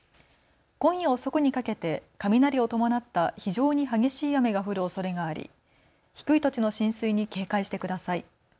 今夜遅くにかけて雷を伴った非常に激しい雨が降るおそれがあり低い土地の浸水に警戒してください。